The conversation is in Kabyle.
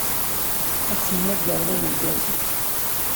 Ad temmagreḍ inebgawen.